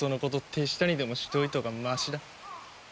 手下にでもしておいたほうがマシだ。